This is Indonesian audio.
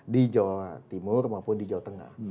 di jawa timur maupun di jawa tengah